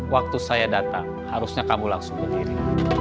waktu saya datang harusnya kamu langsung ke diri